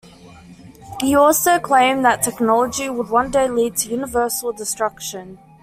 He also claimed that technology would one day lead to universal destruction.